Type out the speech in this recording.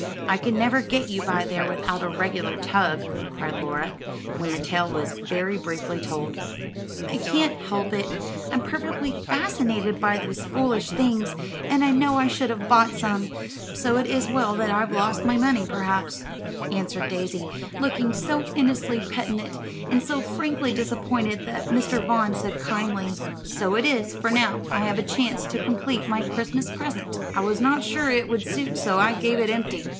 I never can get you by there without a regular tug," cried Laura, when the tale was very briefly told. "I can't help it; I'm perfectly fascinated by those foolish things, and I know I should have bought some; so it is well that I've lost my money, perhaps," answered Daisy, looking so innocently penitent and so frankly disappointed that Mr. Vaughn said kindly: "So it is, for now I have a chance to complete my Christmas present. I was not sure it would suit so I gave it empty.